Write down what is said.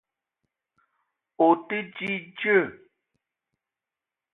O te di dzeu